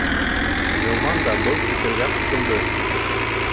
Ғилман да был фекергә ҡушылды.